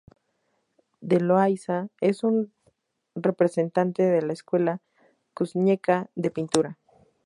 De Loayza es un representante de la Escuela cuzqueña de pintura.